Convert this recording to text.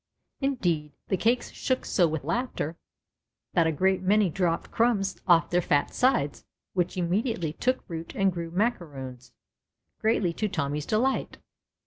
Indeed the cakes shook so with laughter that a great many dropped crumbs off their fat sides which immediately took root and grew macaroons, greatly to Tommy's delight.